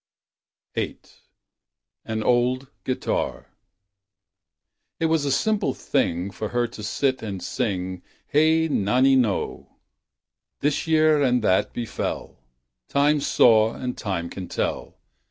VIII. On an Old Guitar It was a simple thing For her to sit and sing, "Hey nonino !" This year and that befell, (Time saw and Time can tell).